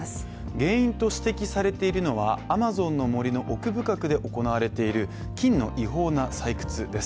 原因と指摘されているのはアマゾンの森の奥深くで行われている金の違法な採掘です。